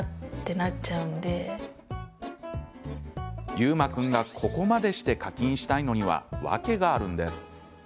悠真君がここまでして課金したいのには訳があるんです。